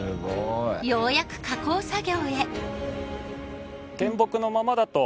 ようやく加工作業へ。